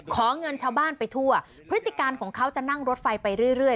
ขอเงินชาวบ้านไปทั่วพฤติการของเขาจะนั่งรถไฟไปเรื่อย